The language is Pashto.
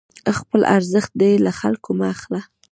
خپل ارزښت دې له خلکو مه اخله،